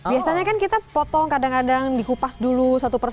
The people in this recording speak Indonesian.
biasanya kan kita potong kadang kadang dikupas dulu satu persatu